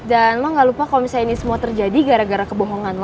dan lu gak lupa kalo misalnya ini semua terjadi gara gara kebohongan lu